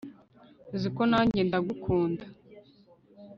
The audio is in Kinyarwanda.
Uzi ko nanjye ndagukunda